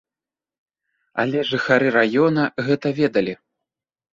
Але жыхары раёна гэта ведалі.